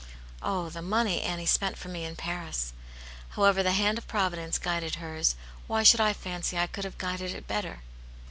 Oh, the money Annie spent for me in Paris ! However, the hand of Provi dence guided hers ; why should I fancy I could have guided it better